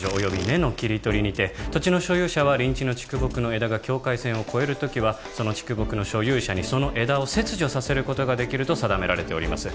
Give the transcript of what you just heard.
「根の切取り」にて土地の所有者は隣地の竹木の枝が境界線を越える時はその竹木の所有者にその枝を切除させることができると定められております